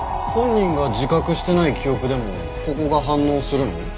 本人が自覚してない記憶でもここが反応するの？